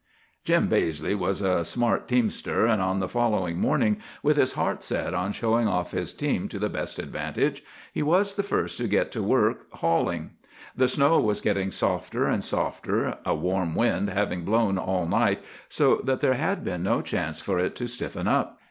"Jim Baizley was a smart teamster; and on the following morning, with his heart set on showing off his team to the best advantage, he was the first to get to work hauling. The snow was getting softer and softer, a warm wind having blown all night so that there had been no chance for it to stiffen up.